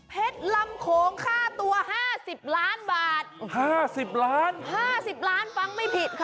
เพชรรำโของค่าตัว๕๐ล้านบาท